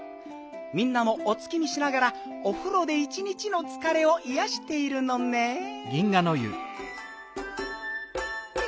みんなもお月見しながらおふろで一日のつかれをいやしているのねん。